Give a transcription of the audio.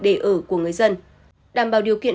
để ở của người dân đảm bảo điều kiện